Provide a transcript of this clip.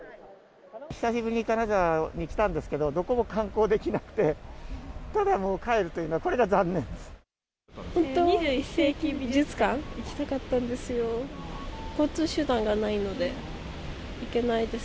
久しぶりに金沢に来たんですけれども、どこも観光できなくて、ただもう帰るという、これが残念です。